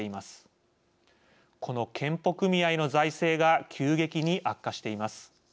この健保組合の財政が急激に悪化しています。